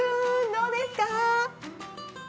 どうですか？